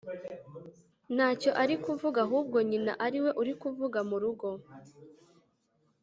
ntacyo ari kuvuga ahubwo nyina ari we uri kuvuga mu rugo